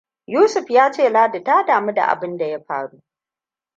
Yusuf yace Ladi ta daamu da abun da ya faru.